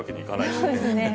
そうですね。